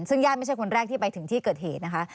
ซึ่งญาติไม่ใช่คนแรกที่ไปถึงที่เกิดเหตุนะคะ